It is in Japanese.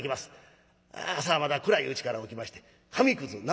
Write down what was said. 朝はまだ暗いうちから起きまして紙くず縄